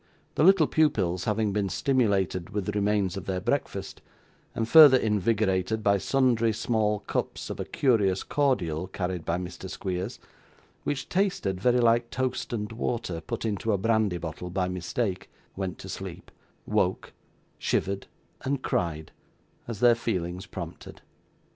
The little pupils having been stimulated with the remains of their breakfast, and further invigorated by sundry small cups of a curious cordial carried by Mr. Squeers, which tasted very like toast and water put into a brandy bottle by mistake, went to sleep, woke, shivered, and cried, as their feelings prompted.